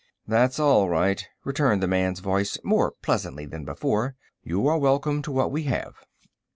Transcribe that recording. "That's all right," returned the man's voice, more pleasantly than before. "You are welcome to what we have."